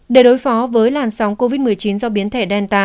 để đối phó với làn sóng covid một mươi chín do biến thể delta